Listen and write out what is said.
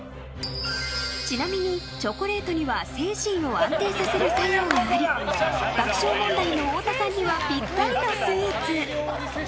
ちなみにチョコレートには精神を安定させる作用があり爆笑問題の太田さんにはぴったりのスイーツ。